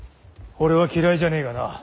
俺は嫌いじゃねえがな。